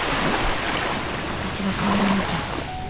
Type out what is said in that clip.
あたしが変わらなきゃ